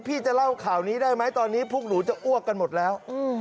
พี่จะเล่าข่าวนี้ได้ไหมตอนนี้พวกหนูจะอ้วกกันหมดแล้ว